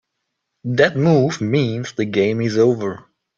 That move means the game is over.